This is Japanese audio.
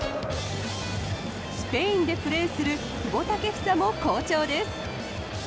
スペインでプレーする久保建英も好調です。